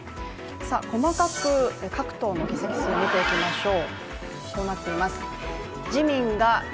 細かく各党の議席数を見ていきましょう。